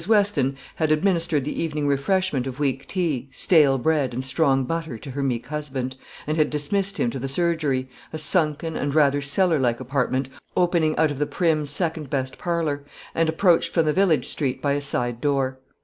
Weston had administered the evening refreshment of weak tea, stale bread, and strong butter to her meek husband, and had dismissed him to the surgery, a sunken and rather cellar like apartment opening out of the prim second best parlour, and approached from the village street by a side door.